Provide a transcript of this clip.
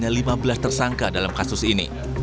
dan menetapkan setidaknya lima belas tersangka dalam kasus ini